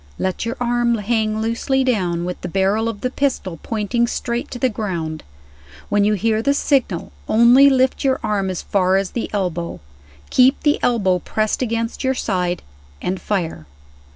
"Let your arm hang loosely down, with the barrel of the pistol pointing straight to the ground. When you hear the signal, only lift your arm as far as the elbow; keep the elbow pressed against your side and fire."